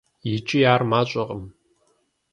ИкӀи ар мащӀэкъым.